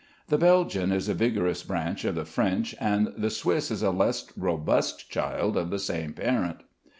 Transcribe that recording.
The Belgian is a vigorous branch of the French, and the Swiss is a less robust child of the same parent.